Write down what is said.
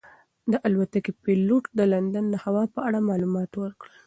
د الوتکې پېلوټ د لندن د هوا په اړه معلومات ورکړل.